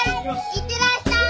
いってらっしゃい。